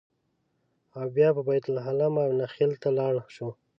او بیا به بیت لحم او الخلیل ته لاړ شو.